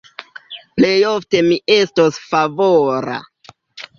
Plejofte mi estos favora.